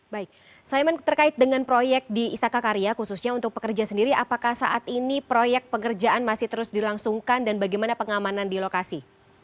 baik saiman terkait dengan proyek di istaka karya khususnya untuk pekerja sendiri apakah saat ini proyek pekerjaan masih terus dilangsungkan dan bagaimana pengamanan di lokasi